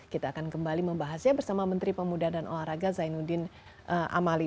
kita akan kembali membahasnya bersama menteri pemuda dan olahraga zainuddin amali